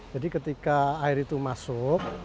jadi ketika air itu masuk